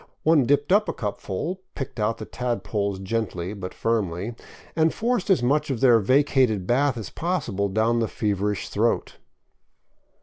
One dipped up a cupful, picked out the tadpoles gently but firmly, and forced as much of their vacated bath as possible down the feverish throat.